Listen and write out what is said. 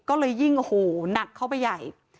ก็เลยยิ่งหัวหนักเขาไปใหญ่